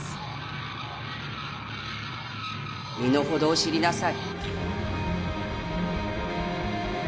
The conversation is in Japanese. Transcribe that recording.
身の程を知りなさい。